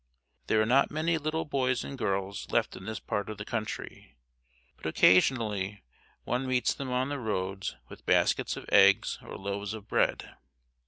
There are not many little boys and girls left in this part of the country, but occasionally one meets them on the roads with baskets of eggs or loaves of bread.